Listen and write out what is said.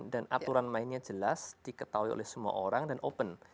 dan aturan mainnya jelas diketahui oleh semua orang dan open